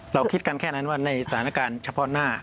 คิดกันแค่นั้นว่าในสถานการณ์เฉพาะหน้า